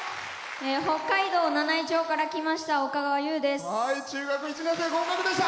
北海道七飯町から来ましたおかがわです。